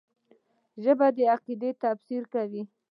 ژبه د عقیدې تفسیر کوي